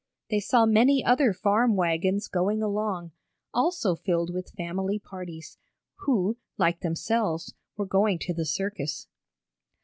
They saw many other farm wagons going along, also filled with family parties, who, like themselves, were going to the circus.